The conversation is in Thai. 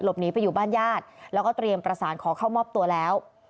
หนีไปอยู่บ้านญาติแล้วก็เตรียมประสานขอเข้ามอบตัวแล้ว